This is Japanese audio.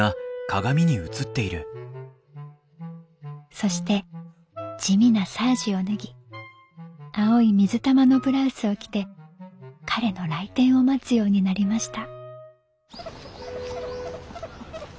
「そして地味なサージを脱ぎ青い水玉のブラウスを着て彼の来店を待つようになりました」。